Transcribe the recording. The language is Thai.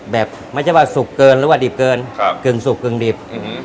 แบบไม่ใช่ว่าสุกเกินหรือว่าดิบเกินกึ่งสุกกึ่งดิบ